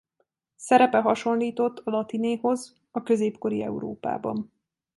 Szerepe hasonlított a latinéhoz a középkori Európában.